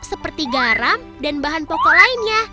seperti garam dan bahan pokok lainnya